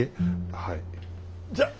はい。